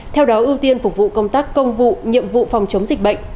theo đó ưu tiên phục vụ công tác công vụ nhiệm vụ phòng chống dịch bệnh